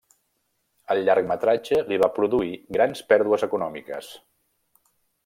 El llargmetratge li va produir grans pèrdues econòmiques.